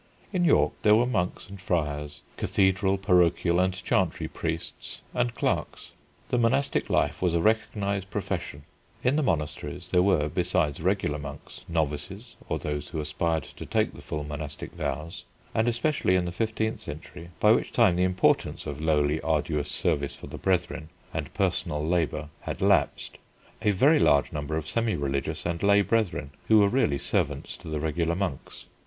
In York, there were monks and friars, cathedral, parochial, and chantry priests, and clerks. The monastic life was a recognised profession. In the monasteries there were, besides regular monks, novices or those who aspired to take the full monastic vows, and, especially in the fifteenth century, by which time the importance of lowly, arduous service for the brethren and personal labour had lapsed, a very large number of semi religious and lay brethren, who were really servants to the regular monks.